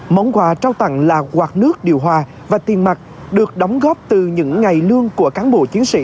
món quà trao tặng là quạt nước điều hòa và tiền mặt được đóng góp từ những ngày lương của cán bộ chiến sĩ